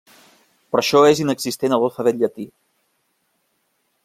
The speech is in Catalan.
Per això és inexistent en l'alfabet llatí.